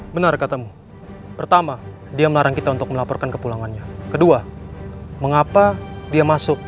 sepertinya mereka punya maksud yang tidak baik